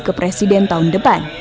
ke presiden tahun depan